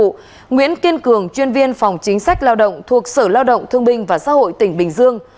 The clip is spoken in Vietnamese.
trước đó nguyễn kiên cường chuyên viên phòng chính sách lao động thuộc sở lao động thương minh và xã hội tỉnh bình dương